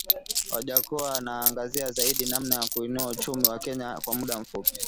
Wajackoya anaangazia Zaidi namna ya kuinua uchumi wa Kenya kwa mda mfupi